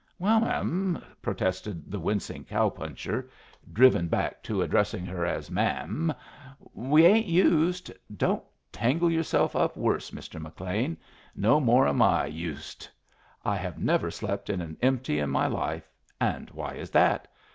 "Well, m'm," protested the wincing cow puncher, driven back to addressing her as "ma'am," "we ain't used " "Don't tangle yourself up worse, Mr. McLean. No more am I 'used.' I have never slept in an empty in my life. And why is that?